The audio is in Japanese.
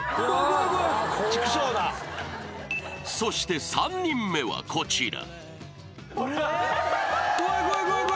［そして３人目はこちら］